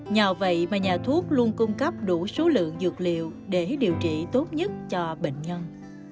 nhờ vậy mà nhà thuốc luôn cung cấp đủ số lượng dược liệu để điều trị tốt nhất cho bệnh nhân